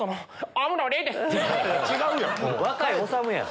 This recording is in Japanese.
違うやん！